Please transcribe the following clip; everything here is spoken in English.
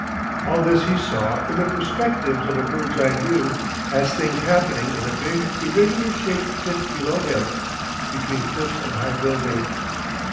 All this he saw in the perspectives of a bird's eye view, as things happening in a big, irregular shaped pit below him, between cliffs of high building.